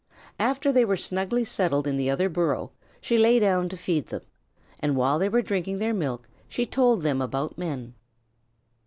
After they were snugly settled in the other burrow, she lay down to feed them, and while they were drinking their milk she told them about men.